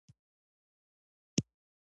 ملاقات وخت راکړ.